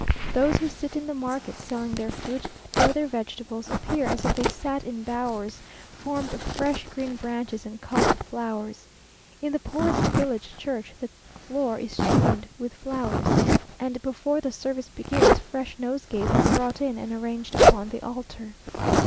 Those who sit in the market, selling their fruit or their vegetables, appear as if they sat in bowers formed of fresh green branches and coloured flowers. In the poorest village church the floor is strewed with flowers, and before the service begins fresh nosegays are brought in and arranged upon the altar.